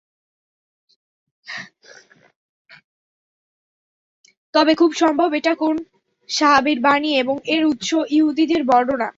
তবে খুব সম্ভব এটা কোন সাহাবীর বাণী এবং এর উৎস ইহুদীদের বর্ণনা।